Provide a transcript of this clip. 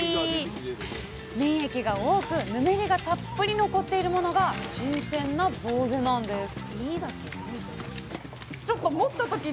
粘液が多くぬめりがたっぷり残っているものが新鮮なぼうぜなんです